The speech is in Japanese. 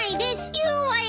言うわよ。